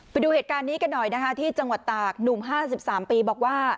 ไปดูเหตุการณ์นี้กันหน่อยนะคะที่จังหวัดตากหนุ่ม๕๓ปีบอกว่า